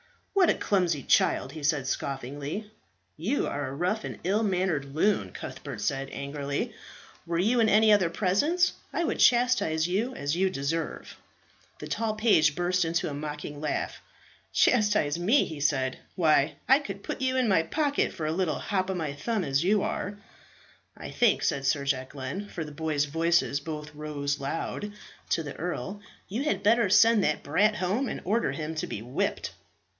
"What a clumsy child!" he said scoffingly. "You are a rough and ill mannered loon," Cuthbert said angrily. "Were you in any other presence I would chastise you as you deserve." The tall page burst into a mocking laugh. "Chastise me!" he said. "Why, I could put you in my pocket for a little hop of my thumb as you are." "I think," said Sir Jacquelin for the boys' voices both rose loud to the earl, "you had better send that brat home and order him to be whipped."